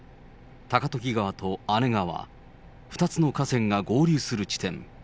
高時川と姉川、２つの河川が合流する地点。